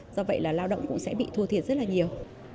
do vậy là lao động cũng sẽ bị thua thiệt rất là nhiều